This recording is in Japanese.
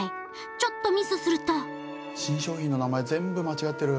ちょっとミスすると新商品の名前全部間違ってる。